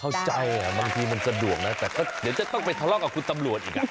เข้าใจอ่ะบางทีมันสะดวกนะแต่เดี๋ยวจะต้องไปทะเลาะกับคุณตำรวจอีกอ่ะ